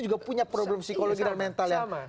juga punya problem psikologi dan mental yang